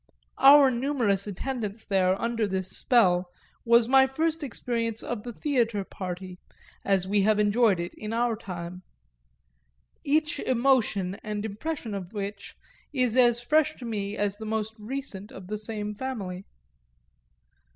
Our numerous attendance there under this spell was my first experience of the "theatre party" as we have enjoyed it in our time each emotion and impression of which is as fresh to me as the most recent of the same family.